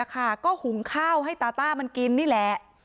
ก็หุงข้าวให้ตาต้ามันกินนี่แหละ